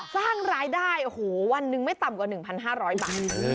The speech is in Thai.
สร้างรายได้โอ้โหวันหนึ่งไม่ต่ำกว่า๑๕๐๐บาท